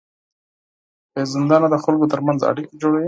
پېژندنه د خلکو ترمنځ اړیکې جوړوي.